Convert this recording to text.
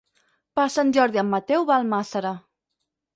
Per Sant Jordi en Mateu va a Almàssera.